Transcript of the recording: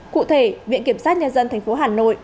cụ thể viện kiểm sát nhân dân tp hà nội